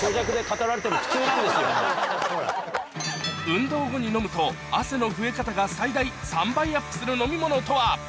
運動後に飲むと汗の増え方が最大３倍アップする飲み物とは？